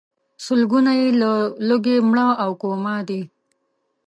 سلګونه یې له لوږې مړه او کوما دي.